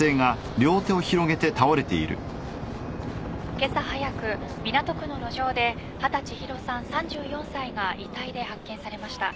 今朝早く港区の路上で畑千尋さん３４歳が遺体で発見されました。